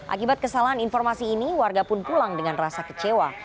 akibat kesalahan informasi ini warga pun pulang dengan rasa kecewa